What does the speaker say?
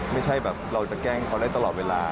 ไม่ใช่แบบเราจะแกล้งเขาได้ตลอดเวลา